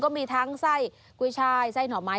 ก็มีทั้งไส้กุ้ยชายไส้หน่อไม้